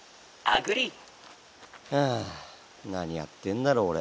何やってんだろ俺。